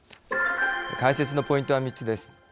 解説のポイントは、３つです。